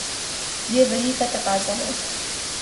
یہ وحی کا تقاضا ہے۔